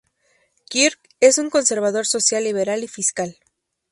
Kirk es un conservador social liberal y fiscal.